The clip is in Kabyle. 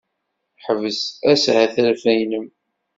Ḥbes ashetref-nnem!